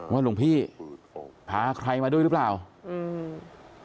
หลวงพี่พาใครมาด้วยหรือเปล่าอืม